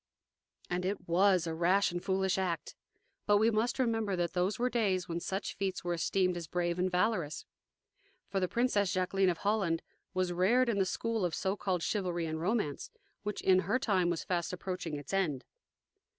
And it WAS a rash and foolish act. But we must remember that those were days when such feats were esteemed as brave and valorous. For the Princess Jaqueline of Holland was reared in the school of so called chivalry and romance, which in her time was fast approaching its end.